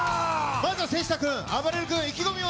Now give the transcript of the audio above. まずは瀬下君、あばれる君、意気込みは？